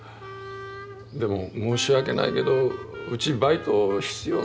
でも申し訳ないけどうちバイト必要ないのよ。